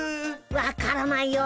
分からないよ。